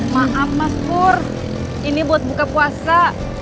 maaf mas nur ini buat buka puasa